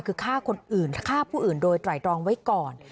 คือฆ่าคนอื่นฆ่าผู้อื่นโดยไตรรองไว้ก่อน